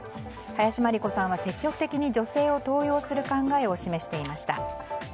林真理子さんは積極的に女性を登用する考えを示していました。